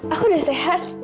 aku udah sehat